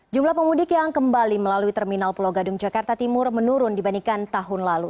jumlah pemudik yang kembali melalui terminal pulau gadung jakarta timur menurun dibandingkan tahun lalu